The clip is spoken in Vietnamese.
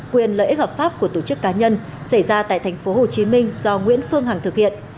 quyền lợi ích hợp pháp của tổ chức cá nhân xảy ra tại tp hcm do nguyễn phương hằng thực hiện